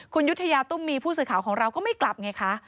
คุณยุธยาตุ้มมีผู้สื่อข่าวของเราก็ไม่กลับไงคะ